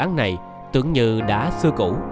về vụ án này tưởng như đã xưa cũ